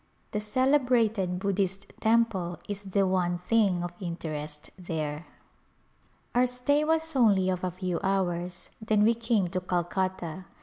The celebrated Buddhist Temple is the one thing of interest there. Our stay was only of a few hours j then we came to Calcutta.